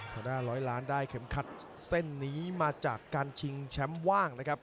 ทางด้านร้อยล้านได้เข็มขัดเส้นนี้มาจากการชิงแชมป์ว่างนะครับ